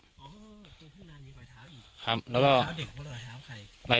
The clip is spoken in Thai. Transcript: อ๋อทุ่งที่ทุ่งนานมีลอยเท้าอีกครับแล้วก็ลอยเท้าเด็กก็ลอยเท้าใคร